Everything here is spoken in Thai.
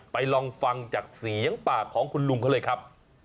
ลองฟังจากเสียงปากของคุณลุงเขาเลยครับ